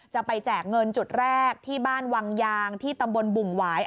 แจกเงินจุดแรกที่บ้านวังยางที่ตำบลบุ่งหวาย